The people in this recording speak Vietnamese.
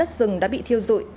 đám cháy rừng đã bị thiêu dụi